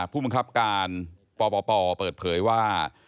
ผู้บังคับการปปเปิดเผยว่า